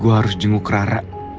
gue harus jenguk rara